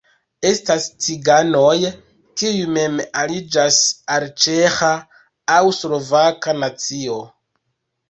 Estas ciganoj, kiuj mem aliĝas al ĉeĥa, aŭ slovaka nacio.